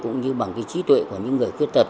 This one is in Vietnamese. cũng như bằng cái trí tuệ của những người khuyết tật